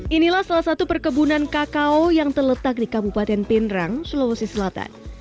inilah salah satu perkebunan kakao yang terletak di kabupaten pindrang sulawesi selatan